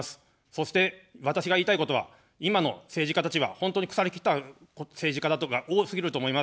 そして私が言いたいことは今の政治家たちは本当に腐りきった政治家だとか多すぎると思います。